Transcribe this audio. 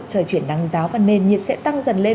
trời chuyển nắng giáo và nền nhiệt sẽ tăng dần lên